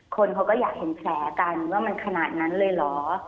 คนเขาก็อยากเห็นแผลกันว่ามันขนาดนั้นเลยเหรอ